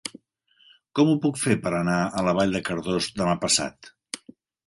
Com ho puc fer per anar a Vall de Cardós demà passat?